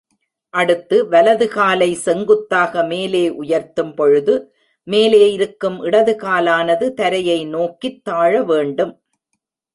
அடுத்து, வலது காலை செங்குத்தாக மேலே உயர்ததும்பொழுது, மேலே இருக்கும் இடது காலானது தரையை நோக்கித் தாழ வேண்டும்.